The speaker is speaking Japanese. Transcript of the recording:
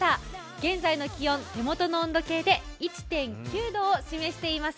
現在の気温、手元の温度計で１．９度を示しています。